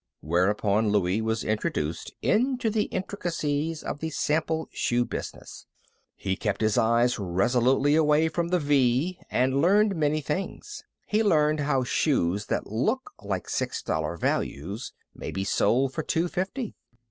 Whereupon Louie was introduced into the intricacies of the sample shoe business. He kept his eyes resolutely away from the V, and learned many things. He learned how shoes that look like six dollar values may be sold for two fifty.